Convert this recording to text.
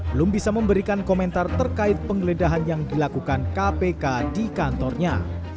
belum bisa memberikan komentar terkait penggeledahan yang dilakukan kpk di kantornya